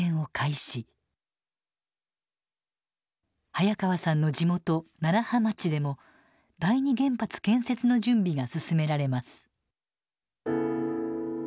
早川さんの地元楢葉町でも第二原発建設の準備が進められます。